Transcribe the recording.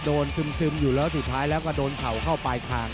ซึมอยู่แล้วสุดท้ายแล้วก็โดนเข่าเข้าปลายคาง